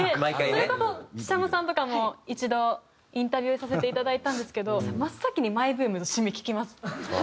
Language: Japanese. それこそＳＨＩＳＨＡＭＯさんとかも一度インタビューさせていただいたんですけど真っ先にマイブームと趣味聞きます。